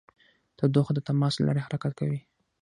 تودوخه د تماس له لارې حرکت کوي.